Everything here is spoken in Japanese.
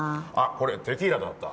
これテキーラだった。